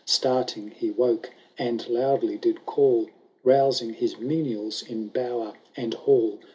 Starting he woke, and loudly did call. Bousing his menials in bower and hall.